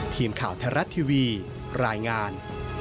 ทีมข่าวไทยรัฐทีวีรายงาน